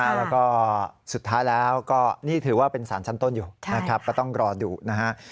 แล้วก็สุดท้ายแล้วก็นี่ถือว่าเป็นสารชั้นต้นอยู่นะครับก็ต้องรอดูนะฮะ